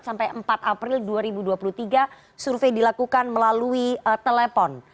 sampai empat april dua ribu dua puluh tiga survei dilakukan melalui telepon